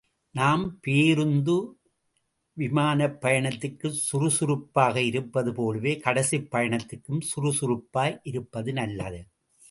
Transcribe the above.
நாம் பேருந்து, விமானப் பயணத்திற்குச் சுறுசுறுப்பாக இருப்பது போலவே கடைசிப் பயணத்திற்கும் சுறுசுறுப்பாய் இருப்பது நல்லது.